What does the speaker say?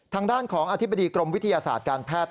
ทางด้านของอธิบดีกรมวิทยาศาสตร์การแพทย์